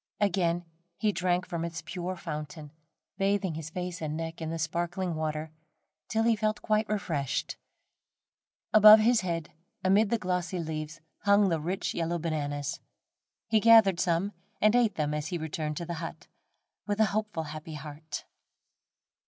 Again he drank from its pure fountain, bathing his face and neck in the sparkling water, till he felt quite refreshed. Above his head, amid the glossy leaves hung the rich yellow bananas. He gathered some and ate them as he returned to the hut, with a hopeful, happy heart.